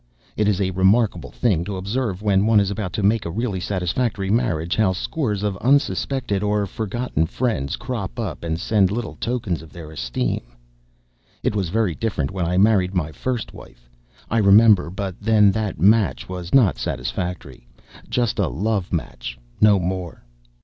It is a remarkable thing to observe when one is about to make a really satisfactory marriage how scores of unsuspected or forgotten friends crop up and send little tokens of their esteem. It was very different when I married my first wife, I remember, but then that match was not satisfactory—just a love match, no more.